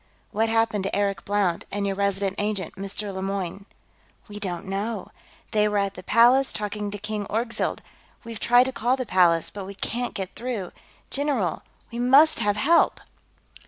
"What happened to Eric Blount and your Resident Agent, Mr. Lemoyne?" "We don't know. They were at the Palace, talking to King Orgzild. We've tried to call the Palace, but we can't get through, general, we must have help...."